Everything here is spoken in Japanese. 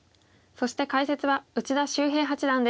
そして解説は内田修平八段です。